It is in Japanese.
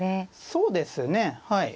そうですねはい。